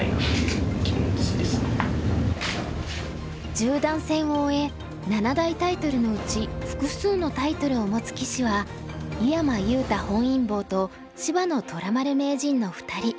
十段戦を終え七大タイトルのうち複数のタイトルを持つ棋士は井山裕太本因坊と芝野虎丸名人の２人。